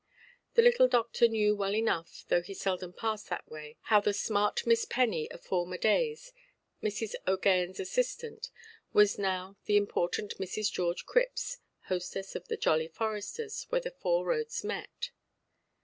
The little doctor knew well enough, though he seldom passed that way, how the smart Miss Penny of former days, Mrs. OʼGaghanʼs assistant, was now the important Mrs. George Cripps, hostess of the "Jolly Foresters", where the four roads met.